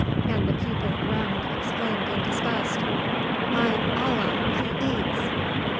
and the people around exclaimed in disgust, "By Allah! he eats!"